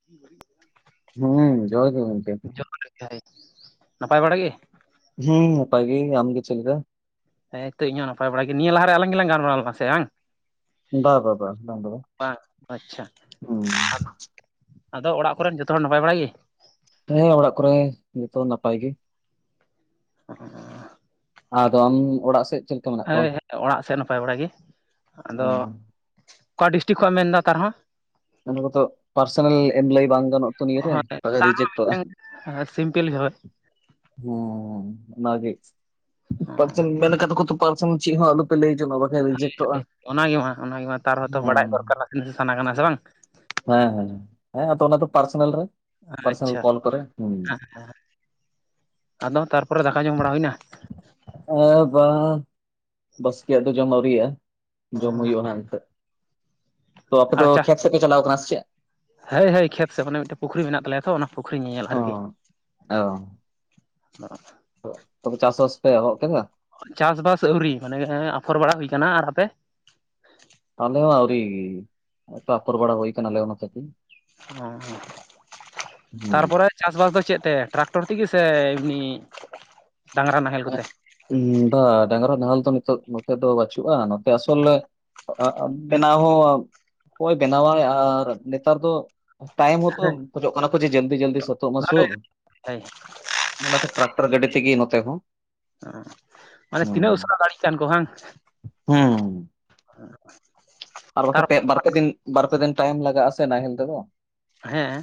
[inaudible] ᱦᱩᱸ ᱡᱚᱦᱟᱨ ᱜᱮ ᱜᱚᱝᱠᱮ ᱾ [unintelligible] ᱱᱟᱯᱟᱭ ᱵᱟᱲᱟᱜ ᱜᱮ? ᱦᱩᱸ ᱱᱟᱯᱟᱭ ᱜᱮ ᱟᱢ ᱜᱮ ᱪᱮᱞᱮᱠᱟ? ᱦᱮᱸ ᱛᱚ ᱤᱧ ᱦᱚᱸ ᱱᱟᱯᱟᱭ ᱵᱟᱲᱟ ᱜᱮ ᱱᱤᱭᱟᱹ ᱞᱟᱦᱟ ᱨᱮ ᱟᱞᱟᱝ ᱜᱮᱞᱟᱝ ᱜᱟᱞᱢᱟᱨᱟᱣ ᱞᱮᱱᱟ ᱥᱮ ᱵᱟᱝ? ᱵᱟ ᱵᱟ ᱵᱟ ᱵᱟᱝ ᱫᱚ ᱵᱟ ᱵᱟᱝ ᱟᱪᱪᱷᱟ ᱦᱩᱸ ᱟᱫᱚ ᱚᱲᱟᱜ ᱠᱚᱨᱮᱱ ᱡᱚᱛᱚ ᱦᱚᱲ ᱱᱟᱯᱟᱭ ᱵᱟᱲᱟᱭ ᱜᱤ? ᱦᱮᱸ ᱚᱲᱟᱜ ᱠᱚᱨᱮ ᱡᱷᱚᱛᱚ ᱱᱟᱯᱟᱭ ᱜᱮ ᱾ ᱚᱻ ᱟᱫᱚ ᱟᱢ ᱚᱲᱟᱜ ᱥᱮᱫ ᱪᱮᱫ ᱞᱮᱠᱟ ᱢᱮᱱᱟᱜ ᱠᱚᱣᱟ? ᱦᱳᱭ [unintelligible] ᱚᱲᱟᱜ ᱥᱮᱫ ᱱᱟᱯᱟᱭ ᱵᱟᱲᱟ ᱜᱮ ᱚ, ᱟᱫᱚ ᱚᱠᱟ ᱰᱤᱥᱴᱤᱠ ᱠᱷᱚᱡ ᱮᱢ ᱢᱮᱱᱫᱟ ᱛᱟᱣᱨᱮᱦᱚᱸ? ᱚᱱᱟ ᱠᱚᱫᱚ ᱯᱟᱨᱥᱚᱱᱟᱞ ᱮᱢ‌ ᱞᱟᱹᱭ ᱵᱟᱝ ᱜᱟᱱᱚᱜᱼᱟ ᱛᱚ ᱱᱤᱭᱟᱹ ᱨᱮ ᱦᱳᱭ ᱴᱟᱠᱟ ᱛᱟᱨᱦᱚᱸ ᱨᱤᱡᱮᱠᱴᱚᱜᱼᱟ ᱾ ᱢᱤᱫᱴᱟᱝ ᱥᱤᱢᱯᱤᱞ ᱜᱮ ᱚ ᱚᱱᱟᱜᱮ ᱯᱟᱪᱮ ᱢᱮᱱ ᱠᱟᱫᱟ ᱠᱚᱛᱚ ᱯᱟᱨᱥᱚᱱᱟᱞ ᱪᱮᱫ ᱦᱚ ᱟᱞᱚᱯᱮ ᱞᱟᱹᱭ ᱡᱚᱡᱚᱜ ᱟ ᱾ ᱚᱱᱟᱜᱮ ᱢᱟ ᱚᱱᱟᱜᱮ ᱢᱟ ᱛᱟᱣᱨᱮᱦᱚᱛᱚ ᱦᱩᱸ ᱵᱟᱲᱟᱭ ᱫᱚᱨᱠᱟᱨ ᱥᱟᱱᱟ ᱠᱟᱱᱟ ᱥᱮ ᱵᱟᱝ? ᱦᱮᱸ ᱦᱮᱸ ᱦᱮᱸ ᱟᱫᱚ ᱚᱱᱟ ᱫᱚ ᱯᱟᱨᱥᱚᱱᱟᱞ ᱨᱮ ᱾ ᱟᱪᱪᱷᱟ ᱦᱮᱸ ᱦᱮᱸ ᱟᱫᱚ ᱛᱟᱨᱯᱚᱨᱮ ᱫᱟᱠᱟ ᱡᱚᱢ ᱵᱟᱲᱟ ᱦᱳᱭᱱᱟ? ᱮ ᱵᱟᱝ ᱵᱟᱥᱠᱮᱭᱟᱜ ᱫᱚ ᱡᱚᱢ ᱟᱹᱣᱨᱤᱭᱟᱜᱼᱟ ᱾ ᱡᱚᱢ ᱦᱩᱭᱩᱜᱼᱟ ᱦᱟᱸᱜ ᱱᱤᱛᱟᱹᱜ ᱾ ᱛᱚ ᱟᱯᱮ ᱟᱨ ᱫᱚ ᱪᱟ ᱠᱷᱮᱛ ᱥᱮᱫ ᱯᱮ ᱪᱟᱞᱟᱣ ᱠᱟᱱᱟ ᱪᱮᱫ? ᱦᱳᱭ ᱦᱳᱭ ᱠᱷᱮᱛ ᱥᱮ ᱢᱟᱱᱮ ᱢᱤᱫᱴᱮᱱ ᱯᱩᱠᱷᱨᱤ ᱢᱮᱱᱟᱜ ᱛᱟᱞᱮᱭᱟ ᱛᱚ ᱚᱱᱟ ᱯᱩᱠᱷᱨᱤ ᱧᱮᱧᱮᱞ ᱚ ᱟᱨᱠᱤ ᱾ ᱚ ᱚ ᱛᱚᱵᱮ ᱪᱟᱥ ᱵᱟᱥ ᱯᱮ ᱮᱦᱚᱵ ᱠᱮᱫᱟ? ᱪᱟᱥᱵᱟᱥ ᱟᱹᱣᱨᱤ ᱢᱟᱱᱮ ᱟᱯᱷᱚᱨ ᱵᱟᱲᱟ ᱦᱩᱭ ᱠᱟᱱᱟ ᱟᱨ ᱟᱯᱮ ᱟᱞᱮ ᱦᱚᱸ ᱟᱹᱣᱨᱤ [unintelligible] ᱵᱟᱲᱟ ᱦᱩᱭ ᱠᱟᱱᱟᱞᱮ ᱚᱱᱟ [unintelligible] ᱚ ᱦᱩᱸ᱾ ᱛᱟᱨᱯᱚᱨᱮ ᱪᱟᱥᱵᱟᱥ ᱫᱚ ᱪᱮᱫ ᱛᱮ ᱴᱨᱟᱠᱴᱚᱨ ᱛᱮᱜᱮ ᱥᱮ ᱮᱢᱱᱤ ᱰᱟᱝᱨᱟ ᱱᱟᱦᱮᱞ ᱠᱚᱛᱮ ᱵᱟᱝ ᱰᱟᱝᱨᱟ ᱱᱟᱦᱮᱞ ᱫᱚ ᱱᱤᱛ ᱱᱚᱛᱮ ᱫᱚ ᱵᱟᱪᱩᱜᱼᱟ ᱱᱚᱛᱮ ᱟᱥᱚᱞᱮ ᱵᱮᱱᱟᱣ ᱦᱚᱸ ᱚᱠᱚᱭ ᱵᱮᱱᱟᱣᱟᱭ ᱟᱨ ᱱᱮᱛᱟᱨ ᱫᱚ ᱴᱟᱭᱤᱢ ᱦᱚᱛᱚ ᱠᱷᱚᱡᱚᱜ ᱠᱟᱱᱟ ᱠᱚ ᱡᱮ ᱡᱟᱹᱞᱫᱤ ᱡᱟᱹᱞᱫᱤ ᱥᱟᱹᱛᱚᱜ ᱢᱟ ᱥᱩᱵ ᱦᱳᱭ ᱚᱱᱟᱛᱮ ᱴᱨᱟᱠᱴᱚᱨ ᱜᱟᱹᱰᱤ ᱛᱮ ᱜᱮ ᱱᱚᱛᱮ ᱦᱚᱸ ᱢᱟᱱᱮ ᱦᱩᱸ ᱛᱤᱱᱟᱹᱜ ᱩᱥᱟᱹᱨᱟ ᱫᱟᱲᱮᱭᱟᱜ ᱠᱟᱱᱟ ᱠᱚ ᱵᱟᱝ ᱦᱩᱸ, ᱟᱨ ᱛᱟᱨ ᱵᱟᱠᱷᱟᱱ ᱯᱮ ᱵᱟᱨ ᱯᱮ ᱫᱤᱱ ᱵᱟᱨ ᱯᱮ ᱫᱤᱱ ᱴᱟᱭᱤᱢ ᱞᱟᱜᱟᱜᱼᱟ ᱥᱮ ᱱᱟᱦᱮᱞ ᱛᱮᱫᱚ ᱦᱮᱸ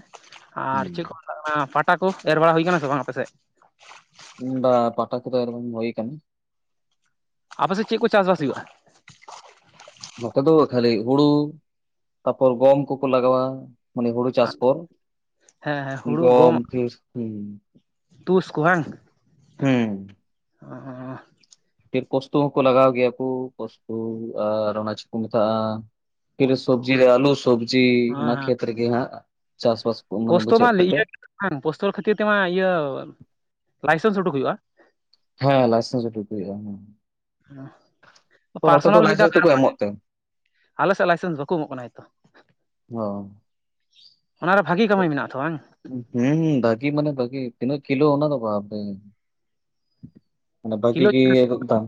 ᱟᱨ ᱦᱩᱸ, ᱪᱮᱫ ᱠᱚ ᱢᱮᱛᱟᱜ ᱠᱟᱱᱟ ᱯᱟᱴᱟ ᱠᱚ ᱮᱨ ᱵᱟᱲᱟ ᱦᱩᱭ ᱟᱠᱟᱱᱟ ᱥᱮ ᱵᱟᱝ ᱟᱯᱮᱥᱮᱫ ᱵᱟ ᱯᱟᱴᱟ ᱠᱚᱫᱚ ᱮᱨ ᱵᱟᱝ ᱦᱩᱭ ᱠᱟᱱᱟ ᱟᱯᱮᱥᱮᱫ ᱪᱮᱫ ᱠᱚ ᱪᱟᱥᱵᱟᱥ ᱦᱩᱭᱩᱜᱼᱟ ᱱᱚᱛᱮ ᱫᱚ ᱠᱷᱟᱹᱞᱤ ᱦᱩᱲᱩ ᱛᱟᱯᱚᱨ ᱜᱚᱢ ᱠᱚᱠᱚ ᱞᱟᱜᱟᱣᱟ ᱢᱟᱱᱮ ᱦᱩᱲᱩ ᱪᱟᱥ ᱦᱮᱸ ᱠᱚ ᱦᱮᱸ ᱦᱩᱲᱩ ᱜᱚᱢ ᱯᱷᱥ ᱦᱚ ᱛᱩᱥ ᱦᱮᱸ ᱚ ᱯᱷᱤᱨ ᱯᱚᱥᱛᱩ ᱦᱚᱸᱠᱚ ᱞᱟᱜᱟᱣ ᱜᱮᱭᱟ ᱠᱚ ᱯᱚᱥᱛᱩ ᱟᱨ ᱚᱱᱟ ᱪᱮᱫ ᱠᱚ ᱢᱮᱛᱟᱜᱼᱟ ᱯᱷᱤᱨ ᱯᱳᱥᱛᱳ ᱥᱚᱵᱽᱡᱤ ᱨᱮ ᱟᱭᱞᱩ ᱥᱚᱵᱽᱡᱤ ᱚᱱᱟ ᱠᱷᱮᱛ ᱨᱮ ᱜᱮ ᱦᱟᱸᱜ ᱪᱟᱥ ᱵᱟᱥ ᱯᱳᱥᱴᱚᱨ ᱢᱟ ᱤᱭᱟᱹ ᱵᱟᱝ ᱯᱳᱥᱴᱳ ᱠᱷᱟᱹᱛᱤᱨ ᱛᱮᱢᱟ ᱤᱭᱟᱹ ᱞᱟᱭᱥᱮᱱᱥ ᱩᱰᱩᱠ ᱦᱩᱭᱩᱜᱼᱟ ᱦᱮᱸ ᱞᱟᱭᱥᱮᱱᱥ ᱩᱰᱩᱠ ᱦᱩᱭᱩᱜᱼᱟ ᱦᱮᱸ ᱛᱚ ᱱᱚᱛᱮ ᱫᱚ ᱯᱟᱨᱥᱚᱱᱟᱞ ᱢᱤᱫ ᱫᱷᱟᱣ ᱞᱟᱭᱥᱮᱱᱥ ᱫᱚᱠᱚ ᱮᱢᱚᱜ ᱛᱮ [unintelligible] ᱟᱞᱮ ᱥᱮᱫ ᱞᱟᱭᱥᱮᱱ ᱵᱟᱠᱚ ᱮᱢᱚᱜ ᱠᱟᱱᱟ ᱮᱠᱚ ᱦᱚᱸ ᱚ ᱚᱱᱟᱨᱮ ᱵᱷᱟᱹᱜᱤ ᱠᱟᱹᱢᱤ ᱢᱮᱱᱟᱜ ᱛᱚ ᱵᱟᱝ ᱦᱩᱸ ᱦᱩᱸ ᱵᱟᱹᱜᱤ ᱢᱟᱱᱮ ᱵᱷᱟᱹᱜᱤ ᱛᱤᱱᱟᱹᱜ ᱠᱤᱞᱳ ᱚᱱᱟ ᱫᱚ ᱵᱟᱯᱮ ᱵᱟᱹᱠᱤ ᱠᱤᱞᱳ [unintelligible]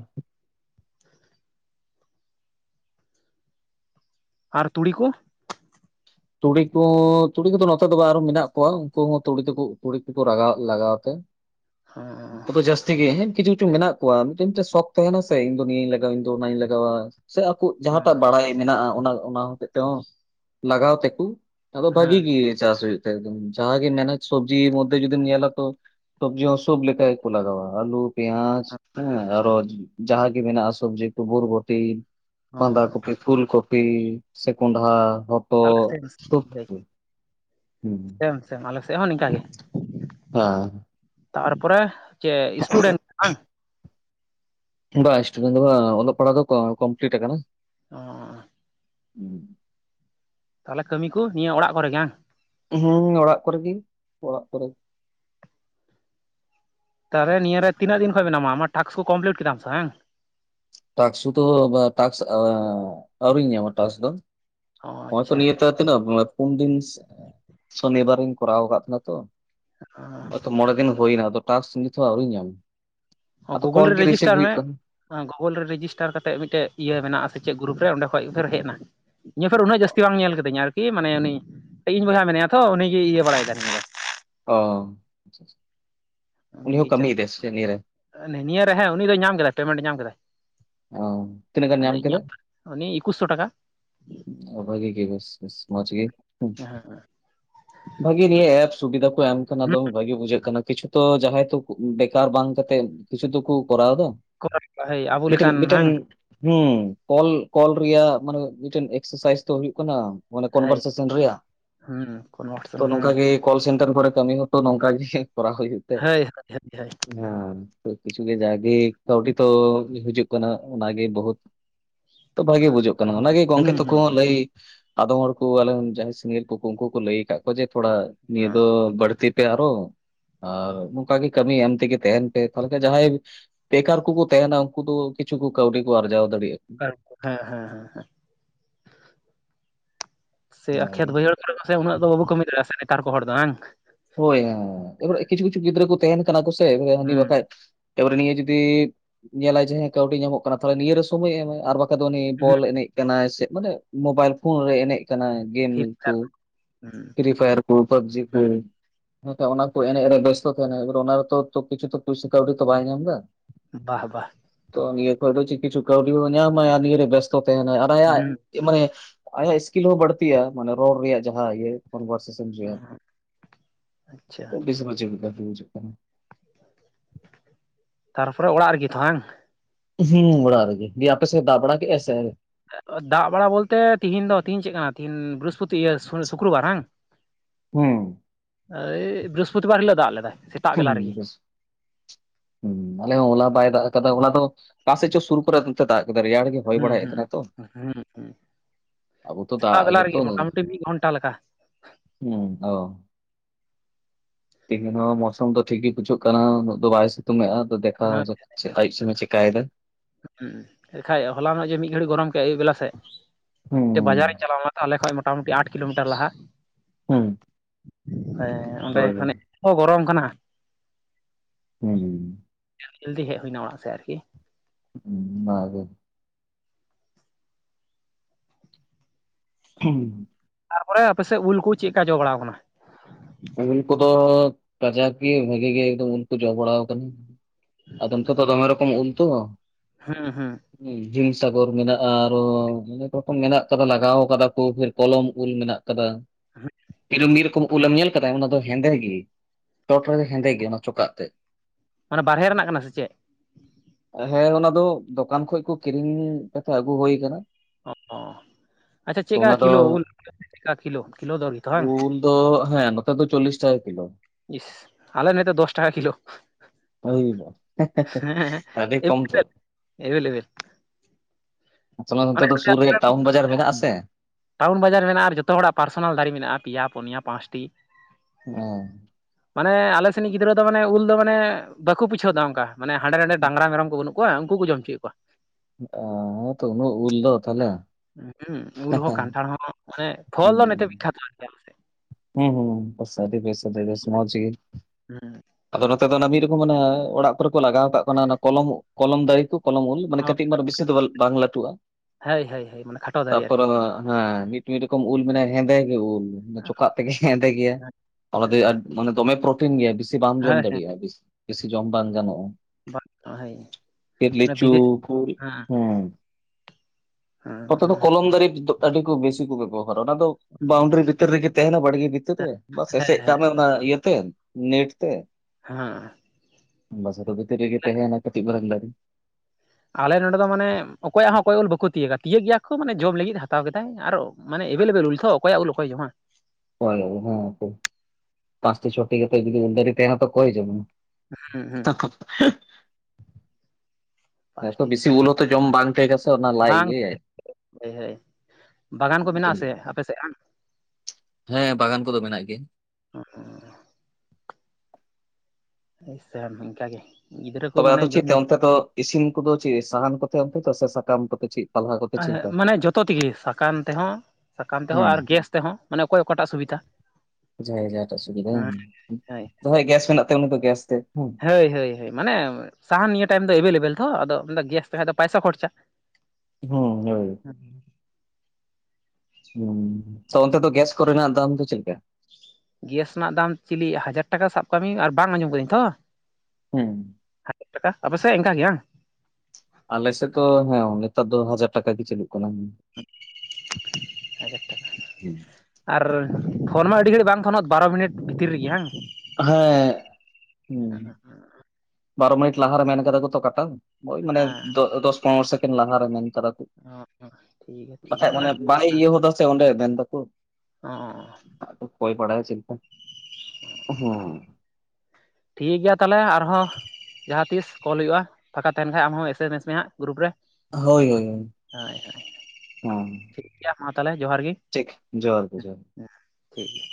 ᱟᱨ ᱛᱩᱲᱤ ᱠᱚ ᱛᱩᱲᱤ ᱠᱚ ᱛᱩᱲᱤ ᱠᱚᱫᱚ ᱱᱚᱛᱮ ᱫᱚ ᱟᱨᱦᱚᱸ ᱢᱮᱱᱟᱜ ᱠᱚᱣᱟ ᱩᱱᱠᱩ ᱦᱚᱸ ᱛᱩᱲᱤ ᱛᱮᱠᱚ ᱛᱩᱲᱤ ᱛᱮᱠᱚ ᱞᱟᱜᱟᱣ ᱞᱟᱜᱟᱣ ᱛᱮ ᱦᱮᱸ ᱠᱚ ᱡᱟᱹᱥᱛ ᱛᱤ ᱜᱮ ᱦᱮᱸ ᱠᱤᱪᱷᱩ ᱠᱤᱪᱷᱩ ᱢᱮᱱᱟᱜ ᱠᱚᱣᱟ ᱢᱤᱫᱴᱮᱱ ᱢᱤᱫᱴᱟᱱ ᱥᱚᱠ ᱛᱟᱦᱮᱱᱟ ᱥᱮ ᱤᱧ ᱫᱚ ᱱᱤᱭᱟᱹᱧ ᱞᱟᱜᱟᱣᱟ ᱤᱧ ᱫᱚ ᱚᱱᱟᱧ ᱞᱟᱜᱟᱣᱟ ᱥᱮ ᱟᱠᱚ ᱡᱟᱦᱟᱸᱴᱟᱜ ᱦᱮᱸ ᱵᱟᱲᱟᱭ ᱢᱮᱱᱟᱜᱼᱟ ᱚᱱᱟ ᱚᱱᱟ ᱦᱚᱛᱮᱜ ᱛᱮᱦᱚᱸ ᱞᱟᱜᱟᱣ ᱛᱮ ᱟᱫᱚ ᱵᱷᱟᱹᱜᱤ ᱜᱮ ᱪᱟᱥ ᱦᱩᱭᱩᱜ ᱛᱟᱭ ᱮᱠᱫᱚᱢ ᱡᱟᱜ ᱜᱮ ᱢᱮᱱᱟ ᱥᱚᱵᱽᱡᱤ ᱢᱚᱫᱽᱫᱷᱮ ᱡᱩᱫᱤᱢ ᱧᱮᱞᱟ ᱛᱚ ᱥᱚᱵᱽᱡᱤ ᱦᱚᱸ ᱥᱚᱵᱽ ᱞᱮᱠᱟ ᱜᱮ ᱠᱚ ᱞᱟᱜᱟᱣᱟ ᱟᱹᱞᱩ ᱯᱮᱸᱭᱟᱡᱽ ᱦᱮᱸ ᱟᱨᱚ ᱡᱟᱦᱟᱸ ᱜᱮ ᱢᱮᱱᱟᱜᱼᱟ ᱥᱚᱵᱽᱡᱤ ᱠᱩ ᱵᱩᱨ ᱵᱚᱴᱤ ᱵᱟᱸᱫᱟ ᱟᱞᱮ ᱠᱚᱯᱤ ᱯᱷᱩᱞ ᱠᱚᱯᱤ ᱥᱮ ᱠᱚᱸᱰᱷᱟ ᱦᱚᱛᱚᱫ ᱥᱮᱱ ᱥᱚᱵ ᱥᱮᱢ ᱦᱩᱸ ᱥᱮᱢ ᱟᱞᱮ ᱥᱮᱫ ᱦᱚᱸ ᱱᱤᱝᱠᱟ ᱜᱮ ᱦᱮᱸ ᱛᱟᱨᱯᱚᱨᱮ ᱡᱮ ᱤᱥᱴᱩᱰᱮᱱᱴ ᱠᱟᱱᱟ ᱵᱟᱝ ᱵᱟ ᱮᱥᱴᱩᱰᱮᱱᱴ ᱵᱟ ᱚᱞᱚᱜ ᱯᱟᱲᱦᱟᱣ ᱫᱚ ᱠᱚᱢᱯᱞᱤᱴ ᱟᱠᱟᱱᱟ ᱠᱟᱱᱟ ᱚ ᱦᱩᱢ ᱛᱟᱦᱚᱞᱮ ᱠᱟᱹᱢᱤ ᱠᱚ ᱱᱤᱭᱟᱹ ᱚᱲᱟᱜ ᱠᱚᱨᱮ ᱜᱮ ᱦᱮᱸ ᱚᱲᱟᱜ ᱠᱚᱨᱮᱜᱤ ᱚᱲᱟᱜ ᱠᱚᱨᱮ ᱛᱟᱦᱚᱞᱮ ᱱᱤᱭᱟᱹ ᱨᱮ ᱛᱤᱱᱟᱹᱜ ᱫᱤᱱ ᱠᱷᱚᱡ ᱢᱮᱱᱟᱢᱟ ᱟᱢᱟᱜ ᱴᱟᱥᱠ ᱠᱚ ᱠᱚᱢᱯᱞᱤᱴ ᱠᱮᱫᱟᱢ ᱥᱮ ᱵᱟᱝ ᱴᱟᱠᱥᱩ ᱫᱚ ᱵᱟ ᱴᱟᱠᱥ ᱟᱹᱣᱨᱤᱧ ᱧᱟᱢᱟ ᱴᱟᱠᱥ ᱫᱚ ᱚ ᱦᱚᱸᱜ-ᱚᱭ ᱛᱚ ᱟᱪᱪᱷᱟ ᱱᱤᱭᱟᱹ ᱛᱚ ᱟᱨ ᱛᱤᱱᱟᱸᱜ [unintelligible] ᱯᱩᱱ ᱫᱤᱱ ᱥᱚᱱᱤᱵᱟᱨᱤᱧ ᱠᱚᱨᱟᱣ ᱟᱠᱟᱫ ᱛᱟᱦᱮᱸᱱᱟ ᱛᱚ ᱚᱭᱛᱚ ᱢᱚᱲᱮ ᱫᱤᱱ ᱦᱚᱭ ᱱᱟ ᱟᱫᱚ ᱴᱟᱥᱠ ᱱᱤᱛ ᱦᱚᱸ ᱟᱹᱣᱨᱤᱧ ᱧᱟᱢᱟ ᱟᱫᱚ ᱠᱚᱞ ᱜᱮ ᱨᱤᱥᱤᱵᱷ ᱦᱩᱭᱩᱜ ᱠᱟᱱᱟ ᱜᱩᱜᱳᱞ ᱨᱮ ᱨᱮᱡᱤᱥᱴᱟᱨ ᱠᱟᱛᱮᱫ ᱢᱤᱫᱴᱮᱡ ᱤᱭᱟᱹ ᱢᱮᱱᱟᱜᱼᱟ ᱥᱮ ᱪᱮᱫ ᱜᱨᱩᱯ ᱨᱮ ᱚᱸᱰᱮ ᱠᱷᱚᱡ ᱯᱷᱮᱨ ᱦᱮᱡ ᱮᱱᱟ ᱤᱧᱟ ᱯᱷᱮᱨ ᱩᱱᱟᱹᱜ ᱡᱟᱹᱥᱛᱤ ᱵᱟᱝ ᱧᱮᱞ ᱠᱮᱫᱟᱹᱧ ᱟᱨᱠᱤ ᱢᱟᱱᱮ ᱩᱱᱤ ᱤᱧ ᱵᱚᱭᱦᱟ ᱢᱮᱱᱟᱭᱟ ᱛᱚ ᱩᱱᱤ ᱜᱮ ᱤᱭᱟᱹ ᱵᱟᱲᱟᱭᱮᱫᱟ [unintelligible] ᱚ [unintelligible] ᱫᱚ ᱩᱱᱤ ᱩᱱᱤᱜᱮ ᱦᱚᱸ ᱠᱟᱹᱢᱤᱭᱮᱫᱟᱭ ᱥᱮ ᱱᱤᱭᱟ ᱨᱮ ᱱᱤᱭᱟᱹ ᱨᱮ ᱦᱮᱸ ᱩᱱᱤ ᱫᱚᱭ ᱧᱟᱢ ᱠᱮᱫᱟᱭ ᱯᱮᱢᱮᱱᱴ ᱧᱟᱢ ᱠᱮᱫᱟᱭ ᱚ ᱛᱤᱱᱟᱹᱜ ᱜᱟᱱ ᱾, ᱟᱫᱚ ᱧᱟᱢ ᱤᱧᱟᱼᱼ ᱠᱮᱫᱟ ᱟ. ᱱᱤ ᱤᱠᱩᱥᱥᱚ ᱴᱟᱠᱟᱼᱼ ᱟ ᱵᱷᱟ. ᱜᱮ ᱜᱮ ᱵᱮᱥ ᱵᱮᱥ ᱢᱚᱡᱽ ᱜᱮ ᱦᱮᱸ ᱾ ᱵᱷᱟ. ᱜᱮ ᱱᱤᱭᱟᱹ ᱮᱯ ᱥᱩᱵᱤᱫᱷᱟ ᱠᱚ ᱮᱢ ᱟᱠᱟᱱᱟ ᱦᱩᱸ ᱫᱚᱢᱮ ᱵᱷᱟ. ᱜᱤ ᱵᱩᱡᱷᱟᱹᱜ ᱠᱟᱱᱟ ᱠᱤᱪᱷᱩ ᱾ ᱛᱚ ᱡᱟᱦᱟᱸᱭ ᱛᱚ, ᱵᱮᱠᱟᱨ ᱵᱟᱝ ᱠᱟᱛᱮᱜ ᱠᱤᱪᱷᱩ ᱫᱚᱠᱚ ᱠᱚᱨᱟᱣ ᱮᱫᱟ ᱠᱚᱨᱟᱣ ᱠᱚ ᱦᱳᱭ ᱟᱵᱚ ᱾ ᱢᱤᱫᱴᱮᱱ ᱞᱮᱠᱟᱱ ᱢᱤᱫᱴᱮᱱ ᱦᱟᱝ ᱦᱩᱸ ᱠᱚᱞ, ᱠᱚᱞ ᱨᱮᱭᱟᱜ ᱢᱟᱱᱮᱼᱼ ᱢᱤᱫᱴᱮᱱ ᱮᱠᱥᱥᱟᱭᱤᱡᱽ ᱛᱚ ᱦᱩᱭᱩᱜ ᱠᱟᱱᱟᱮ ᱦᱳᱭ ᱠᱚᱱᱵᱷᱟᱨᱥᱮᱥᱚᱱ ᱨᱮᱭᱟᱜ ᱦᱩᱸ ᱠᱳᱱᱳ ᱦᱚᱲ ᱛᱚ ᱦᱩᱸ ᱱᱚᱝᱠᱟᱜᱮᱼᱼ ᱠᱚᱞ ᱥᱮᱱᱴᱟᱨ ᱠᱚᱨᱮ ᱠᱟᱹᱢᱤ ᱦᱚᱸᱛᱚ ᱱᱚᱝᱠᱟ ᱜᱮ ᱠᱚᱨᱟᱣ ᱦᱩᱭᱩᱜ ᱾ ᱦᱟ. ᱭ, ᱦᱟ. ᱟ. ᱭᱼᱼ ᱦᱮᱸ ᱠᱤᱪᱷᱩ ᱜᱮ ᱡᱟᱜᱮ ᱠᱟᱹᱣᱰᱤ ᱛᱚ ᱦᱤᱡᱩᱜ ᱠᱟᱱᱟ ᱚᱱᱟᱜᱮ ᱵᱟ. ᱦᱩᱛᱼᱼ ᱛᱚ ᱵᱷᱟ. ᱜᱮ ᱵᱩᱡᱩᱜ ᱠᱟᱱᱟ ᱚᱱᱟᱜᱮ ᱜᱚᱝᱠᱮ ᱦᱩᱸ ᱛᱟᱠᱚ ᱦᱩᱸ ᱦᱚᱸᱼᱼ ᱦᱩᱸ ᱠᱟ. ᱭ ᱟᱫᱚᱢ ᱦᱚᱲ ᱠᱚ ᱟᱞᱮ ᱨᱮᱱ ᱡᱟᱦᱟᱸᱭ ᱥᱤᱱᱤᱭᱟᱨ ᱠᱚᱠᱚ ᱩᱱᱠᱩ ᱦᱚᱸᱠᱚ ᱞᱟᱹᱭ ᱟᱠᱟᱫ ᱠᱚᱣᱟ ᱾ ᱠᱚ ᱡᱮ ᱛᱷᱚᱲᱟ ᱱᱤᱭᱟᱹ ᱦᱮᱸ ᱫᱚ ᱵᱟ. ᱲᱛᱤ ᱯᱮ ᱟᱨᱚ ᱾ ᱟᱨ ᱱᱝᱠᱟ ᱜᱮ ᱠᱟᱹᱢᱤ ᱮᱢ ᱛᱮᱜᱮ ᱛᱟᱦᱮᱱ ᱯᱮ ᱛᱟᱦᱚᱞᱮ ᱠᱷᱟᱷ ᱡᱟᱦᱟᱸᱭᱼᱼ ᱯᱮᱠᱟᱨ ᱠᱚᱠᱚ ᱛᱟᱦᱮᱱᱟ ᱩᱱᱠᱩ ᱫᱚ ᱠᱤᱪᱷᱩ ᱠᱚ ᱠᱟᱹᱣᱰᱤ ᱠᱚ ᱟᱨᱡᱟᱣ ᱫᱟᱲᱮᱭᱟᱜᱼᱟ ᱾ ᱦᱮᱸᱻᱦᱮᱸᱻᱦᱮᱸᱻᱦᱮᱸ ᱾ ᱥᱮ ᱚᱱᱟᱜᱮ ᱠᱷᱮᱛ ᱵᱟᱹᱭᱦᱟᱹᱲ ᱠᱚᱨᱮ ᱠᱚ ᱥᱮ ᱩᱱᱟᱹᱜ ᱫᱚ ᱵᱟᱵᱚᱱ ᱠᱟᱹᱢᱤ ᱫᱟᱲᱮᱭᱟᱜᱼᱟ ᱥᱮ ᱱᱮᱛᱟᱨ ᱠᱚ ᱦᱚᱲ ᱫᱚ ᱟᱝ ᱾ ᱦᱳᱭ ᱦᱮᱸ, ᱠᱤᱪᱷᱩ ᱠᱤᱪᱷᱩ ᱜᱤᱫᱽᱨᱟᱹ ᱠᱚ ᱛᱟᱦᱮᱱ ᱠᱟᱱᱟ ᱠᱚ ᱥᱮ ᱦᱟᱱᱤ ᱦᱩᱸ ᱵᱟᱠᱷᱟᱭᱼᱼ ᱮ ᱯᱚᱨᱮ ᱱᱤᱭᱟᱹ ᱡᱩᱫᱤ ᱧᱮᱞᱟᱭ ᱡᱟᱦᱟᱸᱭ ᱠᱟᱹᱣᱰᱤ ᱧᱟᱢᱚᱜ ᱠᱟᱱᱟ ᱛᱟᱦᱚᱞᱮ ᱱᱤᱭᱟᱹᱟᱹᱨᱮ ᱥᱚᱢᱚᱭ ᱮᱢᱟᱭ ᱟᱨ ᱵᱟᱝᱼᱼ ᱚᱠᱟ ᱫᱚ ᱩᱱᱤ ᱵᱚᱞ ᱦᱩᱸ ᱮᱱᱮᱡ ᱠᱟᱱᱟᱭ ᱥᱮ ᱢᱟᱱᱮ, ᱢᱳᱵᱟᱭᱤᱞ ᱯᱷᱳᱱ ᱨᱮ ᱮᱱᱮᱡᱼᱼ ᱠᱟᱱᱟᱭ ᱜᱮᱢ ᱠᱚ ᱯᱷᱤᱞᱴᱟᱨ ᱦᱩᱸ ᱯᱷᱤᱨᱤ ᱯᱷᱟᱭᱟᱨ ᱠᱚ ᱯᱟᱵᱽᱡᱤ ᱠᱚ ᱦᱩᱸ ᱾ ᱦᱮᱸ ᱛᱚ ᱚᱱᱟ ᱠᱚ ᱮᱱᱮᱡ ᱨᱮ ᱵᱮᱥᱛᱚ ᱛᱟᱦᱮᱱᱟᱭ ᱟᱜᱟᱨ ᱚᱱᱟ ᱨᱮᱛᱚ ᱛᱚ ᱠᱪᱷᱩ ᱛᱚ ᱯᱩᱭᱥᱟᱹ ᱠᱟᱹᱣᱰᱤ ᱛᱚ ᱵᱟᱭ ᱧᱟᱢ ᱮᱫᱟ ᱾ ᱵᱟᱦ - ᱵᱟᱦ ᱾ ᱛᱚ ᱱᱤᱭᱟᱹ ᱠᱷᱚᱱ ᱫᱚ ᱪᱮᱫ ᱠᱤᱪᱷᱩ ᱠᱟᱹᱣᱰᱤ ᱦᱚᱸ ᱧᱟᱢᱟᱭ ᱟᱨ ᱱᱤᱭᱟᱹ ᱨᱮ ᱵᱮᱥᱛᱚ ᱛᱟᱦᱮᱱᱟ ᱟᱨ ᱟᱭᱟᱜᱼᱼ ᱦᱩᱸ ᱪᱮᱫ ᱢᱟᱱᱮ, ᱟᱭᱟᱜ ᱥᱠᱤᱞ ᱦᱚᱸ ᱵᱟᱹᱲᱛᱤᱜ-ᱟ ᱢᱟᱱᱮ ᱨᱚᱲ ᱨᱮᱭᱟᱜ ᱡᱟᱦᱟᱸ ᱤᱭᱟᱹ ᱠᱚᱱᱵᱷᱟᱨ ᱥᱮᱥᱚᱱ ᱨᱮᱭᱟᱜ ᱾ ᱟᱪᱪᱷᱟ ᱛᱚ ᱵᱤᱥ ᱯᱟᱪᱤᱥ ᱵᱟᱜᱷᱟ ᱜᱮ ᱵᱩᱡᱷᱟᱹᱜ ᱠᱟᱱᱟ᱾ ᱛᱟᱨᱯᱚᱨᱮ ᱚᱲᱟᱜ ᱨᱮᱜᱮ ᱛᱚ ᱵᱟᱝ ᱾ ᱦᱩᱸ ᱚᱲᱟᱜ ᱨᱮᱜᱮ ᱤᱭᱟ. ᱟᱯᱮ ᱥᱮᱫ ᱫᱟᱜ ᱵᱟᱲᱟ ᱠᱮᱜ-ᱟ ᱥᱮ ᱫᱟᱜ ᱵᱟᱲᱟ ᱵᱚᱞᱛᱮ ᱛᱤᱦᱤᱧ ᱫᱚ ᱛᱤᱦᱤᱧ ᱪᱮᱫ ᱠᱟᱱᱟ ᱛᱤᱦᱤᱧ ᱵᱤᱨᱟ. ᱥᱯᱚᱛᱤᱣᱟᱨ ᱤᱭᱟᱹ ᱥᱩᱠᱩᱨᱣᱟᱨ ᱵᱟᱝ ᱾ ᱩᱸ ᱾ ᱮᱭ ᱵᱤᱨᱟ. ᱥᱯᱚᱛᱤᱣᱟᱨ ᱦᱤᱞᱳ ᱫᱟᱜ ᱞᱮᱫᱟᱭ ᱾ ᱦᱩᱸ ᱵᱟ. ᱥ, ᱦᱩᱸ ᱟᱞᱮ ᱦᱚᱸ ᱦᱚᱞᱟ ᱵᱟᱭ ᱫᱟᱜ ᱠᱟᱫᱟ ᱚᱱᱟ ᱫᱚᱼᱼ ᱚᱠᱟᱥᱮᱫ ᱪᱚ ᱥᱩᱨ ᱠᱚᱨᱮ ᱱᱚᱛᱮ ᱫᱟᱜ ᱠᱮᱫᱟᱭ ᱨᱮᱭᱟᱲ ᱜᱮ ᱦᱚᱭ ᱵᱟᱲᱟᱭᱮᱫ ᱠᱟᱱᱟ ᱛᱚ ᱾ ᱦᱮᱸ ᱦᱮᱸ ᱟᱵᱚ ᱛᱚ ᱫᱟᱜ ᱜᱮ ᱛᱚ ᱦᱩᱸ ᱢᱤᱫ ᱜᱷᱚᱱᱴᱟ ᱞᱮᱠᱟ ᱚ ᱾ ᱛᱤᱦᱤᱧ ᱦᱚᱸ ᱢᱳᱥᱚᱢ ᱫᱚ ᱴᱷᱤᱠ ᱜᱮ ᱵᱩᱡᱷᱟᱹᱜ ᱠᱟᱱᱟ ᱩᱱᱟᱹᱜ ᱫᱚ ᱵᱟᱭ ᱥᱤᱛᱩᱝ ᱮᱼᱟ ᱟᱫᱚ ᱫᱮᱠᱷᱟ ᱦᱮᱸ ᱡᱟᱭ ᱾ ᱪᱮ ᱟ. ᱭᱩ ᱥᱮᱱᱮ ᱪᱮᱠᱟᱭᱮᱫᱟ ᱾ ᱦᱩᱸ ᱮᱱᱠᱷᱟᱡ ᱦᱚᱞᱟ ᱱᱚᱜ ᱡᱮ ᱢᱤᱫ ᱜᱷᱟᱹᱲᱤᱡ ᱜᱚᱨᱚᱢ ᱠᱮᱫ ᱟᱹᱭᱩᱵ ᱵᱮᱞᱟ ᱥᱮᱫ ᱢᱤᱫᱴᱮᱡ ᱦᱩᱸ ᱵᱟᱡᱟᱨᱤᱧ ᱪᱟᱞᱟᱣ ᱞᱮᱱᱟ ᱾ ᱛᱚ ᱟᱞᱮ ᱠᱷᱚᱡ ᱢᱚᱴᱟᱢᱩᱴᱤ ᱟᱴ ᱠᱤᱞᱳᱢᱤᱴᱟᱨ ᱞᱟᱦᱟ ᱾ ᱩᱸ ᱾ ᱦᱮᱸ ᱚᱸᱰᱮ ᱠᱷᱟ. ᱱᱤ ᱠᱚ ᱜᱚᱨᱚᱢ ᱠᱟᱱᱟ ᱾ ᱦᱩᱸᱼᱦᱩᱸ ᱾ ᱡᱟ. ᱞᱫᱤ ᱦᱮᱡ ᱦᱩᱭ ᱮᱱᱟ ᱚᱲᱟᱜ ᱥᱮᱫ ᱨᱮᱜᱤ ᱾ ᱦᱩᱸ ᱚᱱᱟᱜᱮ ᱾ ᱦᱩᱸ ᱾ ᱛᱟᱨᱯᱚᱨᱮ ᱟᱯᱮᱥᱮᱫ ᱩᱞ ᱠᱚ ᱪᱮᱫᱞᱮᱠᱟ ᱡᱚ ᱵᱟᱲᱟᱣᱟᱠᱟᱱᱟ ᱾ ᱩᱞ ᱠᱚᱫᱚ, ᱠᱟᱡᱟᱠ ᱜᱮ ᱵᱷᱟᱹᱜᱤ ᱜᱮ ᱮᱠᱫᱚᱢ ᱩᱞ ᱠᱚ ᱡᱚ ᱵᱟᱲᱟᱣᱟᱠᱟᱱᱟ ᱾ ᱟᱫᱚ ᱱᱚᱛᱮ ᱫᱚ ᱫᱚᱢᱮ ᱨᱚᱠᱚᱢ ᱩᱞ ᱛᱚ ᱾ ᱦᱩᱸ-ᱦᱩᱸ ᱾ ᱦᱮ ᱡᱷᱤᱢ ᱥᱟᱜᱚᱨ ᱢᱮᱱᱟᱜᱼᱟ ᱟᱨᱚ ᱚᱱᱮ ᱨᱚᱠᱚᱢ ᱢᱮᱱᱟᱜ ᱠᱟᱫᱟ ᱞᱟᱜᱟᱣ ᱠᱟᱫᱟ ᱠᱚ ᱯᱷᱤᱨ ᱠᱚᱞᱚᱢ ᱩᱞ ᱢᱮᱱᱟᱜ ᱾ ᱟᱠᱟᱫᱟ ᱾ᱮᱠᱫᱚᱢ ᱢᱤᱫ ᱨᱚᱠᱚᱢ ᱩᱞᱮᱢ ᱧᱮᱞ ᱟᱠᱟᱫᱟ? ᱚᱱᱟ ᱫᱚ ᱦᱮᱸᱫᱮ ᱜᱮ ᱴᱚᱴ ᱨᱮᱫᱚ ᱦᱮᱸᱫᱮ ᱜᱮ ᱚᱱᱟ ᱪᱚᱠᱟᱜ ᱛᱮ ᱢᱟᱱᱮ ᱵᱟᱨᱦᱮ ᱨᱮᱱᱟᱜ ᱠᱟᱱᱟ ᱥᱮ ᱪᱮᱫ ᱦᱮᱸ ᱚᱱᱟ ᱫᱚ ᱫᱚᱠᱟᱱ ᱠᱷᱚᱡ ᱠᱚ ᱠᱤᱨᱤᱧ ᱠᱟᱛᱮᱜ ᱟᱹᱜᱩ ᱦᱳᱭ ᱟᱠᱟᱱᱟ ᱚ ᱟᱪᱪᱷᱟ ᱪᱮᱫᱠᱟ ᱫᱚ ᱠᱤᱞᱳ ᱩᱞ ᱪᱮᱫ ᱞᱮᱠᱟ ᱠᱤᱞᱳ ᱠᱤᱞᱳ ᱫᱚᱨ ᱜᱮᱛᱚ ᱵᱟᱝ ᱛᱚ ᱦᱮᱸ ᱱᱚᱛᱮ ᱫᱚ ᱪᱚᱞᱞᱤᱥ ᱴᱟᱠᱟ ᱠᱤᱞᱳ ᱟᱞᱮ ᱱᱛᱮ ᱫᱚᱥ ᱴᱟᱠᱟ ᱠᱤᱞᱳ ᱦᱩᱭ ᱦᱮᱸ ᱜᱚᱫᱚᱜ-ᱟ ᱟᱰᱤ ᱠᱚᱢ ᱮᱵᱮᱞ ᱛᱚ ᱮᱵᱮᱞ ᱮᱵᱮᱞ ᱟᱥᱚᱞᱮ ᱱᱚᱛᱮ ᱢᱟᱱᱮ ᱫᱚ ᱥᱩᱨ ᱨᱮᱜᱮ ᱴᱟᱣᱩᱱ ᱵᱟᱡᱟᱨ ᱢᱮᱱᱟᱜ ᱟ-ᱥᱮ ᱴᱟᱣᱩᱱ ᱵᱟᱡᱟᱨ ᱢᱮᱱᱟᱜᱼᱟ ᱟᱨ ᱡᱚᱛᱚ ᱦᱚᱲᱟᱜ ᱯᱟᱨᱥᱚᱱᱟᱞ ᱫᱟᱨᱮ ᱢᱮᱱᱟᱜᱼᱟ ᱯᱮᱭᱟ ᱯᱩᱱᱭᱟ ᱯᱟᱸᱪᱴᱤ ᱦᱚᱸ ᱢᱟᱱᱮ ᱟᱞᱮ ᱥᱮᱫ ᱨᱤᱱ ᱜᱤᱫᱽᱨᱟᱹ ᱫᱚ ᱢᱟᱱᱮ ᱩᱞ ᱫᱚ ᱢᱟᱱᱮ ᱵᱟᱠᱚ ᱯᱩᱪᱷᱟᱹᱣ ᱮᱫᱟ ᱚᱱᱠᱟ ᱢᱟᱱᱮ ᱦᱟᱸᱰᱮ ᱱᱟᱰᱮ ᱰᱟᱝᱨᱟ ᱢᱮᱨᱚᱢ ᱠᱚ ᱵᱟᱹᱱᱩᱜ ᱠᱚᱣᱟ ᱩᱱᱠᱩ ᱠᱚ ᱡᱚᱢ ᱦᱚᱭᱮᱫ ᱠᱚᱣᱟ ᱛᱚ ᱩᱞ ᱫᱚ ᱛᱟᱦᱚᱞᱮ ᱩᱞ ᱦᱚᱸ ᱠᱟᱱᱴᱷᱟᱲ ᱦᱚᱸ ᱢᱟᱱᱮ ᱯᱷᱚᱞ ᱦᱩᱸ ᱫᱚ ᱱᱤᱛᱮ ᱵᱤᱠᱠᱷᱟᱛ ᱜᱮᱭᱟ ᱦᱩᱸ ᱦᱩᱸ ᱯᱟᱥᱛᱮ ᱫᱚ ᱜᱮ ᱦᱮᱸ ᱟᱫᱚ ᱱᱚᱛᱮ ᱫᱚ ᱚᱱᱟ ᱢᱤᱫ ᱨᱚᱠᱚᱢ ᱢᱟᱱᱮ ᱚᱲᱟᱜ ᱠᱚᱨᱮ ᱠᱚ ᱞᱟᱜᱟᱣ ᱠᱟᱜ ᱠᱟᱱᱟ ᱚᱱᱟ ᱠᱚᱞᱚᱢ ᱠᱚᱞᱚᱢ ᱫᱟᱨᱮ ᱠᱚ ᱠᱚᱞᱚᱢ ᱢᱟᱱᱮ ᱠᱟᱹᱴᱤᱡ ᱢᱟᱨ ᱵᱤᱥᱮᱥ ᱫᱚ ᱵᱟᱝ ᱞᱟᱹᱴᱩᱜᱼᱟ ᱦᱳᱭ ᱦᱳᱭ ᱦᱳᱭ ᱢᱟᱱᱮ ᱠᱷᱟᱴᱚ ᱫᱟᱨᱮ ᱛᱟᱯᱚᱨ ᱟᱨᱠᱤ ᱦᱮᱸ ᱢᱤᱫ ᱨᱚᱠᱚᱢ ᱩᱞ ᱢᱮᱱᱟᱜᱼᱟ ᱱᱤᱭᱟ ᱦᱮᱸᱫᱮ ᱜᱮ ᱩᱞ ᱪᱚᱠᱟᱜ ᱛᱮᱜᱮ ᱦᱮᱸᱫᱮ ᱜᱮᱭᱟ ᱫᱚ ᱢᱟᱱᱮ ᱫᱚᱢᱮ ᱜᱮᱭᱟ ᱵᱮᱥᱤ ᱵᱟᱢ ᱡᱚᱢ ᱦᱳᱭ ᱦᱮᱸ ᱫᱟᱲᱮᱭᱟᱜᱼᱟ ᱵᱮᱥᱤ ᱡᱚᱢ ᱵᱟᱝ ᱜᱟᱱᱚᱜᱼᱟ ᱦᱳᱭ ᱮᱞ ᱚᱱᱟ ᱪᱩ ᱵᱤᱫᱮᱥ ᱯᱩᱲ ᱦᱮᱸ ᱦᱮᱸ ᱱᱚᱛᱮ ᱫᱚ ᱠᱚᱞᱚᱢ ᱫᱟᱨᱮ ᱟᱹᱰᱤ ᱠᱚ ᱵᱮᱥᱤ ᱠᱚ ᱵᱮᱵᱚᱦᱟᱨᱟ ᱚᱱᱟ ᱫᱚ ᱵᱟᱣᱩᱱᱰᱟᱨᱤ ᱵᱷᱤᱛᱤᱨ ᱨᱮ ᱛᱟᱦᱮᱱᱟ ᱵᱟᱲᱜᱮ ᱵᱷᱤᱛᱤᱨ ᱨᱮ ᱵᱟᱥ ᱦᱮᱸ ᱮᱥᱮᱫ ᱠᱟᱜ ᱢᱮ ᱚᱱᱟ ᱤᱭᱟᱹᱛᱮ ᱱᱮᱴ ᱛᱮ ᱦᱮᱸ ᱵᱟᱥ ᱵᱷᱤᱛᱤᱨ ᱨᱮᱜᱮ ᱛᱟᱸᱦᱮᱱᱟ ᱠᱟᱴᱤᱡ ᱢᱟᱨᱟᱝ ᱫᱟᱨᱤ ᱟᱞᱮ ᱱᱚᱸᱰᱮ ᱫᱚ ᱢᱟᱱᱮ ᱚᱠᱚᱭᱟᱜ ᱦᱚᱸ ᱚᱠᱚᱭ ᱩᱞ ᱵᱟᱠᱚ ᱛᱤᱭᱩᱜᱟ ᱛᱤᱭᱟᱹᱜ ᱜᱮᱭᱟ ᱠᱚ ᱢᱟᱱᱮ ᱡᱚᱢ ᱞᱟᱹᱜᱤᱫ ᱦᱟᱛᱟᱣ ᱠᱮᱫᱟᱭ ᱟᱨ ᱢᱟᱱᱮ ᱮᱵᱟᱭᱞᱮᱵᱟᱞ ᱦᱩᱭ ᱠᱚᱜᱼᱟ ᱚᱠᱚᱭᱟᱜ ᱩᱞ ᱚᱠᱚᱭ ᱡᱚᱢᱟ ᱦᱚᱭ ᱦᱮᱸ ᱯᱟᱸᱪᱴᱤ ᱪᱷᱚᱴᱤ ᱠᱟᱛᱮ ᱡᱩᱫᱤ ᱩᱞ ᱫᱟᱨᱮ ᱛᱟᱸᱦᱮᱱᱟ ᱚᱠᱚᱭ ᱡᱚᱢᱟ ᱦᱮᱸ ᱦᱮᱸ ᱦᱮᱸ ᱦᱮ ᱦᱮᱸ ᱛᱚ ᱯᱟᱸᱪᱴᱤ ᱵᱮᱥᱤ ᱪᱷᱚᱴᱤ ᱩᱞ ᱦᱚᱸᱛᱚ ᱡᱚᱢ ᱵᱟᱝ ᱴᱷᱤᱠᱟ ᱥᱮ ᱚᱱᱟ ᱞᱟᱡ ᱵᱟᱝ ᱜᱮ ᱦᱳᱭ ᱦᱳᱭ ᱵᱟᱜᱟᱱ ᱠᱚ ᱢᱮᱱᱟᱜ ᱟᱥᱮ ᱟᱯᱮ ᱥᱮᱫ ᱦᱮᱸ ᱵᱟᱜᱟᱱ ᱠᱚᱫᱚ ᱢᱮᱱᱟᱜ ᱜᱮᱭᱟ ᱥᱮᱢ ᱤᱱᱠᱟᱹ ᱜᱮ ᱛᱚᱵᱮ ᱟᱫᱚ ᱪᱤᱛ ᱚᱱᱛᱮ ᱫᱚ ᱤᱥᱤᱱ ᱠᱚᱫᱚ ᱪᱮᱫ ᱥᱟᱦᱟᱱ ᱠᱚᱛᱮ ᱥᱮ ᱥᱟᱠᱟᱢ ᱠᱚᱛᱮ ᱪᱮᱫ ᱯᱟᱞᱦᱟ ᱠᱚᱛᱮ ᱪᱮᱫ ᱞᱮᱠᱟ ᱢᱟᱱᱮ ᱡᱚᱛᱚ ᱛᱮᱜᱮ ᱥᱟᱠᱟᱢ ᱛᱮᱦᱚᱸ ᱥᱟᱠᱟᱢ ᱛᱮᱦᱚᱸ ᱦᱩᱸ ᱟᱨ ᱜᱮᱥ ᱛᱮᱦᱚᱸ ᱢᱟᱱᱮ ᱚᱠᱚᱭ ᱚᱠᱟᱴᱟᱜ ᱥᱩᱵᱤᱫᱷᱟ ᱡᱟᱦᱟᱸ ᱡᱟᱦᱟᱸᱴᱟᱜ ᱥᱩᱵᱤᱫᱟ ᱦᱳᱭ ᱫᱚ ᱜᱮᱥ ᱢᱮᱱᱟᱜ ᱛᱟᱭ ᱩᱱᱤ ᱫᱚ ᱜᱮᱥ ᱛᱮ ᱦᱮᱸ ᱦᱳᱭ ᱦᱳᱭ ᱦᱳᱭ ᱢᱟᱱᱮ ᱥᱟᱦᱟᱱ ᱱᱤᱭᱟᱹ ᱴᱟᱭᱤᱢ ᱫᱚ ᱮᱵᱮᱞᱮᱵᱮᱞ ᱛᱚ ᱟᱫᱚ ᱜᱮᱥ ᱛᱮᱱᱟᱜ ᱫᱚ ᱯᱚᱭᱥᱟ ᱠᱷᱚᱨᱪᱟ ᱦᱩᱸ ᱦᱳᱭ ᱦᱮ ᱦᱚᱸ ᱚᱱᱛᱮ ᱫᱚ ᱜᱮᱥ ᱠᱚᱨᱮᱱᱟᱜ ᱫᱟᱢ ᱫᱚ ᱪᱮᱫ ᱞᱮᱠᱟ ᱜᱮᱥ ᱨᱮᱱᱟᱜ ᱫᱟᱢ ᱪᱤᱞᱤ ᱦᱟᱡᱟᱨ ᱴᱟᱠᱟ ᱥᱟᱵ ᱠᱟᱜ ᱢᱮ ᱟᱨ ᱵᱟᱝ ᱟᱸᱡᱚᱢ ᱟᱠᱟ ᱫᱟᱹᱧ ᱛᱚ ᱦᱮᱸ ᱴᱟᱠᱟ ᱟᱯᱮ ᱥᱮᱫ ᱚᱱᱠᱟ ᱜᱮ ᱵᱟᱝ ᱟᱞᱮ ᱥᱮᱫ ᱫᱚ ᱦᱮᱸ ᱱᱮᱛᱟᱨ ᱫᱚ ᱦᱟᱡᱟᱨ ᱴᱟᱠᱟ ᱜᱮ ᱪᱟᱞᱩᱜ ᱠᱟᱱᱟ ᱦᱩᱸ ᱦᱟᱡᱟᱨ ᱴᱟᱠᱟ ᱟᱨ ᱯᱷᱳᱱ ᱢᱟ ᱟᱹᱰᱤ ᱜᱷᱟᱹᱲᱤᱡ ᱵᱟᱝ ᱛᱟᱦᱮᱱᱚᱜ ᱵᱟᱨᱚ ᱢᱤᱱᱤᱴ ᱵᱷᱤᱛᱤᱨ ᱨᱮᱜᱮ ᱵᱟᱝ ᱦᱮᱸ ᱵᱟᱨᱚ ᱢᱤᱱᱤᱴ ᱞᱟᱦᱟ ᱨᱮ ᱢᱮᱱ ᱟᱠᱟᱫᱟ ᱠᱚ ᱛᱚ ᱠᱟᱴᱟᱣ ᱳᱭ ᱢᱟᱱᱮ ᱦᱮᱸ ᱫᱚᱥ ᱯᱚᱱᱨᱚ ᱥᱮᱠᱮᱱᱰ ᱞᱟᱦᱟ ᱨᱮ ᱢᱮᱱ ᱟᱠᱟᱫᱟ ᱠᱚ᱾ ᱚ ᱟᱪᱪᱷᱟ ᱴᱷᱤᱠ ᱴᱷᱤᱠ ᱜᱤᱭᱟ ᱵᱟᱠᱷᱟᱡ ᱢᱟᱱᱮ ᱵᱟᱭ ᱤᱭᱟᱹ [unintelligible] ᱦᱚᱫᱟ ᱚᱸᱰᱮ ᱢᱮᱱ ᱫᱚᱠᱚ ᱚ ᱚᱠᱚᱭ ᱵᱟᱲᱟᱭ ᱪᱮᱞᱠᱟ ᱦᱮᱸ, ᱴᱷᱤᱠ ᱜᱮᱭᱟ ᱛᱟᱦᱚᱞᱮ ᱟᱨ ᱦᱚᱸ ᱡᱟᱦᱟᱸ ᱛᱤᱥ ᱠᱚᱞ ᱦᱩᱭᱩᱜᱼᱟ ᱯᱷᱟᱠᱟ ᱛᱟᱦᱮᱱ ᱠᱷᱟᱱ ᱟᱢ ᱦᱚᱸ ᱮᱥ ᱮᱢ ᱮᱥ ᱢᱮ ᱦᱟᱸᱜ ᱜᱨᱩᱯ ᱨᱮ᱾ ᱦᱳᱭ ᱦᱳᱭ ᱦᱳᱭ ᱦᱳᱭ ᱦᱮᱸ ᱴᱷᱤᱠ ᱜᱮᱭᱟ ᱢᱟ ᱛᱟᱦᱚᱞᱮ ᱡᱚᱦᱟᱨ ᱜᱮ᱾ ᱴᱷᱤᱠ ᱡᱚᱦᱟᱨ ᱜᱮ ᱦᱮᱸ ᱡᱚᱦᱟᱨ᱾ ᱦᱮᱸ ᱴᱷᱤᱠ ᱜᱮᱭᱟ᱾